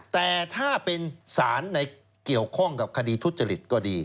แต่ถ้าเป็นสารในเกี่ยวข้องกับคดีทุจริตก็ดี